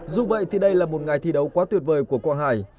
dù vậy thì đây là một ngày thi đấu quá tuyệt vời của quang hải